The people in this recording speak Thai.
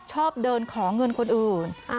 ชอบเดินขอเงินคนอื่น